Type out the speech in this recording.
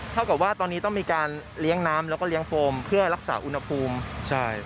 เท่ากับว่าตอนนี้ต้องมีการเลี้ยงน้ำแล้วก็เลี้ยงโฟมเพื่อรักษาอุณหภูมิใช่